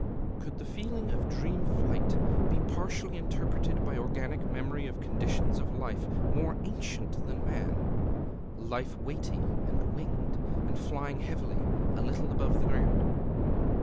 Could the feeling of dream flight be partly interpreted by organic memory of conditions of life more ancient than man, life weighty, and winged, and flying heavily, _a little above the ground?